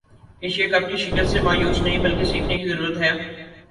Asia cup کی شکست سے مایوس نہیں بلکہ سیکھنے کی ضرورت ہے